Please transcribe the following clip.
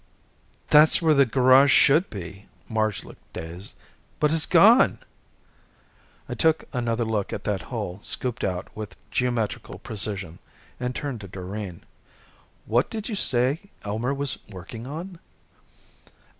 "That's where the garage should be." Marge looked dazed. "But it's gone!" I took another look at that hole scooped out with geometrical precision, and turned to Doreen. "What did you say Elmer was working on?"